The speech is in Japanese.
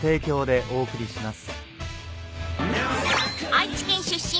［愛知県出身